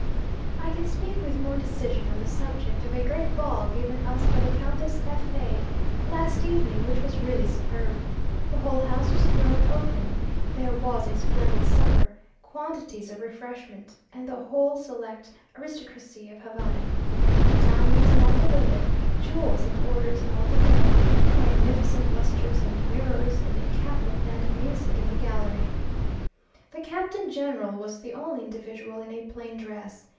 I can speak with more decision on the subject of a great ball given us by the Countess F a, last evening, which was really superb. The whole house was thrown open there was a splendid supper, quantities of refreshment, and the whole select aristocracy of Havana. Diamonds on all the women, jewels and orders on all the men, magnificent lustres and mirrors, and a capital band of music in the gallery. The Captain General was the only individual in a plain dress.